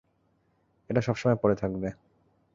এটা সবসময় পরে থাকবে।